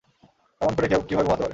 এমন করে কেউ কীভাবে ঘুমাতে পারে?